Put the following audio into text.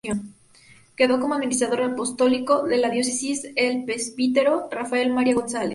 Quedó como administrador apostólico de la diócesis el presbítero Rafael María González.